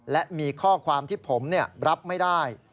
และมีข้อความที่ผมรับไม่ได้